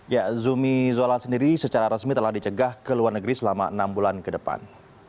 ya zumi zola sendiri secara resmi telah dicegah ke luar negeri selama enam bulan ke depan